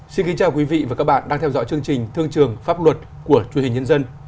xin kính chào quý vị và các bạn đang theo dõi chương trình thương trường pháp luật của truyền hình nhân dân